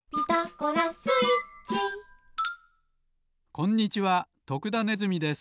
こんにちは徳田ネズミです。